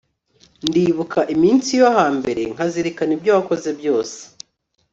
ndibuka iminsi yo hambere nkazirikana ibyo wakoze byose